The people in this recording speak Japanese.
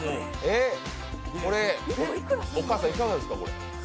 これ、お母さん、いかがですか？